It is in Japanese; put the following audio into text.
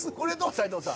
斉藤さん